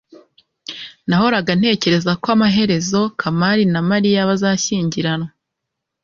nahoraga ntekereza ko amaherezo kamali na mariya bazashyingirwa